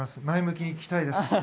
前向きにいきたいです。